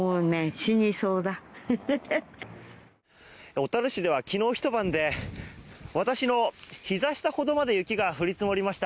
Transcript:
小樽市では昨日ひと晩で私のひざ下ほどまで雪が降り積もりました。